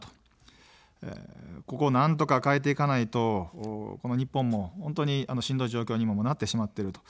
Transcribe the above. ここをなんとか変えていかないと日本も本当にしんどい状況にもなってしまってる。